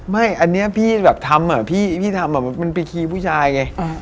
ไม่อันนี้พี่แบบทำพี่ทำมันไปคีย์ผู้ชายไง